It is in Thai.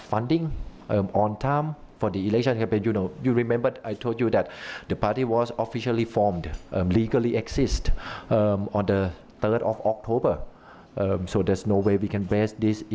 ไปเมืองการน่าเมืองนี้มันต้องมีบุคคล